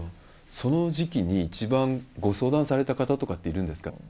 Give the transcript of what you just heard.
その時期に一番ご相談された方とかっているんですか？